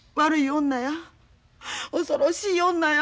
恐ろしい女や。